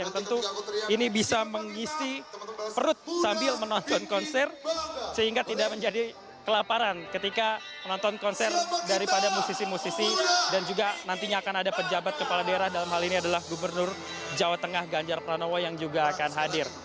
yang tentu ini bisa mengisi perut sambil menonton konser sehingga tidak menjadi kelaparan ketika menonton konser daripada musisi musisi dan juga nantinya akan ada pejabat kepala daerah dalam hal ini adalah gubernur jawa tengah ganjar pranowo yang juga akan hadir